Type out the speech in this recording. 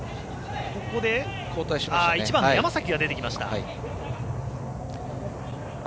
ここで１番の山崎が出てきました。